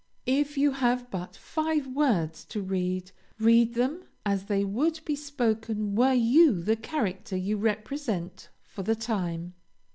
If you have but five words to read, read them as they would be spoken were you the character you represent for the time.